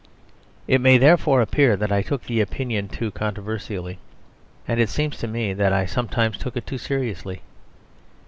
It may therefore appear that I took the opinion too controversially, and it seems to me that I sometimes took it too seriously.